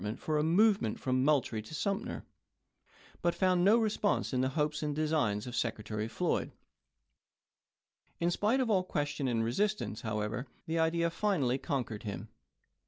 c' ment for a movement from Moultrie to Sumter, but i*., p. 105° ' found no response in the hopes and designs of Sec retary Floyd. In spite of all question and resist ance, however, the idea finally conquered him.